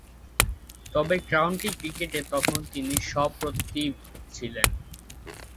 তবে, কাউন্টি ক্রিকেটে তখনও তিনি সপ্রতিভ ছিলেন।